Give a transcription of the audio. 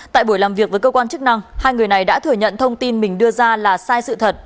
tại buổi làm việc với cơ quan chức năng hai người này đã thừa nhận thông tin mình đưa ra là sai sự thật